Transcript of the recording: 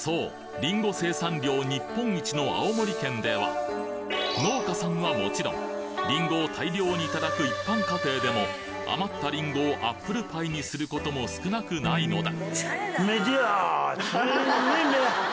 そう農家さんはもちろんリンゴを大量にいただく一般家庭でも余ったリンゴをアップルパイにすることも少なくないのだ